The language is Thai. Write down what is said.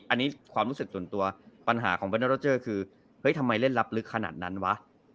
อันนี้ความรู้สึกส่วนตัวปัญหาของเบอร์เนอร์โรเจอร์คือเฮ้ยทำไมเล่นลับลึกขนาดนั้นวะ